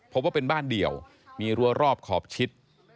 พบว่าเป็นบ้านเดี่ยวมีรัวรอบขอบชิด